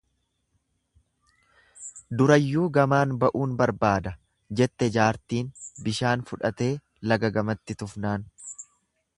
"""Durayyuu gamaan ba'uun barbaada"" jette jaartiin bishaan fudhatee laga gamatti tufnaan."